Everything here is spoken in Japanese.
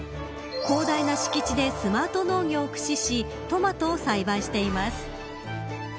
広大な敷地でスマート農業を駆使しトマトを栽培しています。